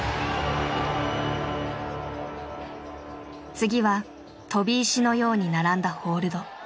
次は飛び石のように並んだホールド。